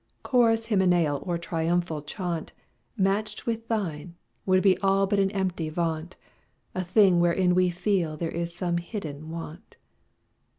Chorus Hymeneal, Or triumphal chaunt, Matched with thine would be all But an empty vaunt, A thing wherein we feel there is some hidden want.